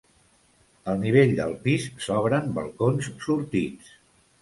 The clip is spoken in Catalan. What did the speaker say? Al nivell del pis s'obren balcons sortits.